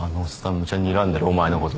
無茶にらんでるお前のこと。